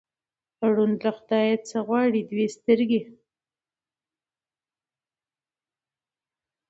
ـ ړوند له خدايه څه غواړي، دوې سترګې.